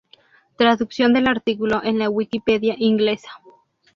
Traducción del artículo en la Wikipedia inglesa.